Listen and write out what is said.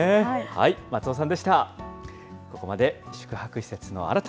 松尾さんでした。